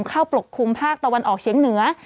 ปกคลุมภาคตะวันออกเฉียงเหนือ